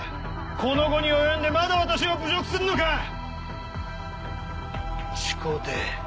この期に及んでまだ私を侮辱するのか⁉始皇帝。